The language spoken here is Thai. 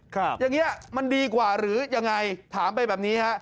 ครับอย่างเงี้ยมันดีกว่าหรือยังไงถามไปแบบนี้ฮะ